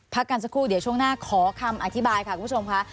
พักกันสักครู่เดี๋ยวช่วงหน้าขอคำอธิบายค่ะคุณผู้ชมค่ะ